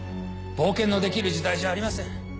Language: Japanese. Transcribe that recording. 冒険のできる時代じゃありません。